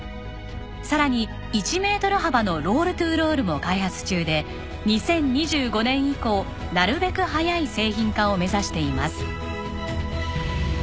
さらに１メートル幅のロール・トゥー・ロールも開発中で２０２５年以降なるべく早い製品化を目指しています。